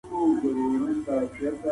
رايه ورکوونکي کومو مسايلو ته ډېر پام کوي؟